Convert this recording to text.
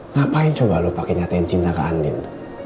ngapain coba lo pakai nyatain cinta ke andin